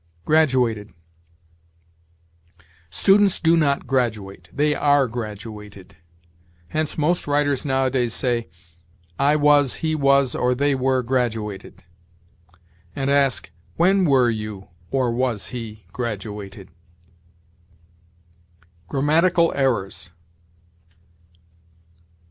GRADUATED. Students do not graduate; they are graduated. Hence most writers nowadays say, "I was, he was, or they were graduated"; and ask, "When were you, or was he, graduated?" GRAMMATICAL ERRORS.